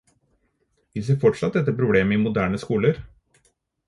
Vi ser fortsatt dette problemet i moderne skoler.